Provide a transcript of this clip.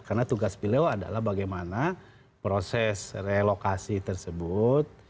karena tugas beliau adalah bagaimana proses relokasi tersebut